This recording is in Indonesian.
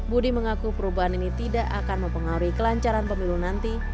budi mengaku perubahan ini tidak akan mempengaruhi kelancaran pemilu nanti